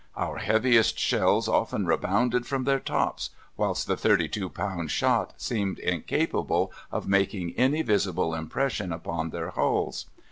"Our heaviest shells often rebounded from their tops, whilst the 32 pound shot seemed incapable of making any visible impression upon their hulls.